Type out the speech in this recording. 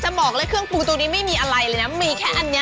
บอกเลยเครื่องปรุงตรงนี้ไม่มีอะไรเลยนะมีแค่อันนี้